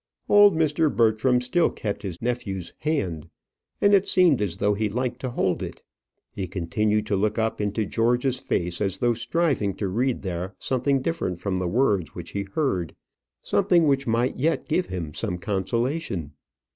Old Mr. Bertram still kept his nephew's hand, and it seemed as though he liked to hold it. He continued to look up into George's face as though striving to read there something different from the words which he heard, something which might yet give him some consolation.